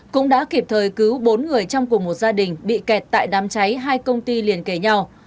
cũng đã kịp thời cứu bốn người trong cùng một gia đình bị kẹt tại đám cháy hai công ty liền kề nhau